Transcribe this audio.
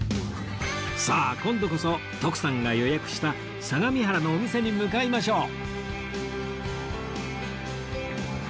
さあ今度こそ徳さんが予約した相模原のお店に向かいましょう！